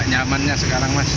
ada nyamannya sekarang mas